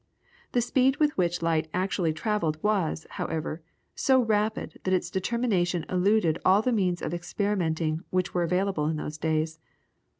The speed with which light actually travelled was, however, so rapid that its determination eluded all the means of experimenting which were available in those days.